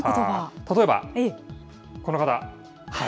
例えば、この方。